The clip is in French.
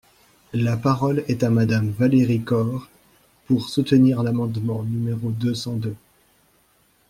La parole est à Madame Valérie Corre, pour soutenir l’amendement numéro deux cent deux.